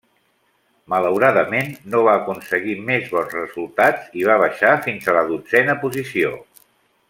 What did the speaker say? Malauradament no va aconseguir més bons resultats i va baixar fins a la dotzena posició.